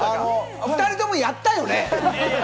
２人ともやったよね？